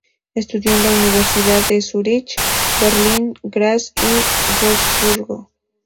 Estudió en las universidades de Zúrich, Berlín, Graz y Wurzburgo.